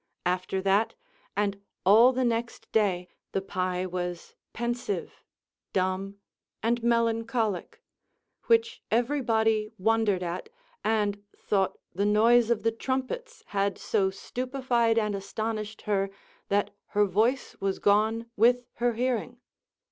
After that, and all the next day, the pie was pensive, dumb, and melancholic; which every body wondered at, and thought the noise of the trumpets had so stupified and astonished her that her voice was gone with her hearing.